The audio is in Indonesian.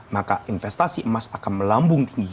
maka investasi emas akan melambung tinggi